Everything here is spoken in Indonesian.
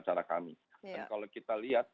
cara kami dan kalau kita lihat